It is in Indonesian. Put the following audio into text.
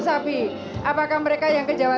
sapi apakah mereka yang ke jawa